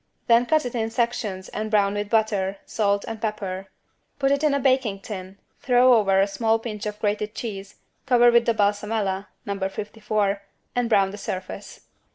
Then cut it in sections and brown with butter, salt and pepper. Put it in a baking tin, throw over a small pinch of grated cheese, cover with the =balsamella= (No. 54) and brown the surface.